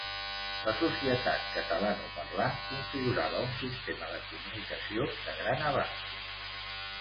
La societat catalanoparlant configurava un sistema de comunicació de gran abast.